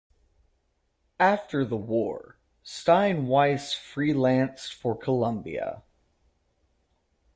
After the war, Steinweiss freelanced for Columbia.